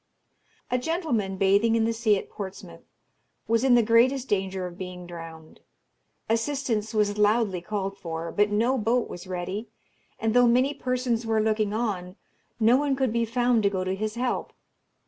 A gentleman bathing in the sea at Portsmouth, was in the greatest danger of being drowned. Assistance was loudly called for, but no boat was ready, and though many persons were looking on, no one could be found to go to his help.